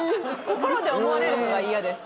心で思われるのが嫌です。